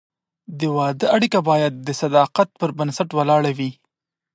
د واده اړیکه باید د صداقت پر بنسټ ولاړه وي.